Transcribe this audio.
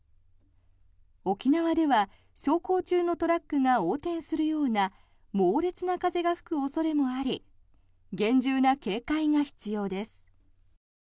沖縄では走行中のトラックが横転するような猛烈な風が吹く恐れもあり厳重な警戒が必要です。